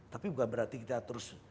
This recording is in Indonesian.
tapi bukan berarti kita terus